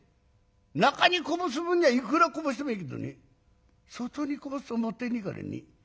中にこぼす分にはいくらこぼしてもいいけどね外にこぼすともったいねえからね。